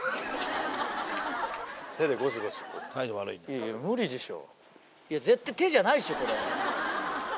いやいや無理でしょ。